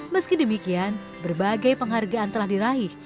meski demikian berbagai penghargaan telah diraih